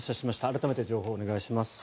改めて、情報をお願いします。